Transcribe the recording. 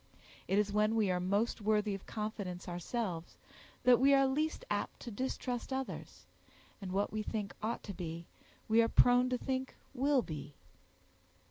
It is when we are most worthy of confidence ourselves, that we are least apt to distrust others; and what we think ought to be, we are prone to think will be.